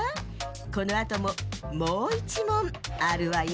このあとももういちもんあるわよ。